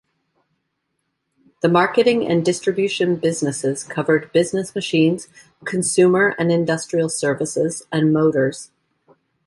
The marketing and distribution businesses covered business machines, consumer and industrial services, and motors.